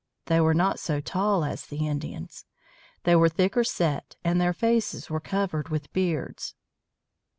They were not so tall as the Indians. They were thicker set, and their faces were covered with beards.